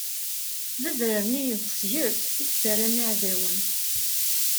D adrar-nni n Tsegdelt i yettarran iɛdawen.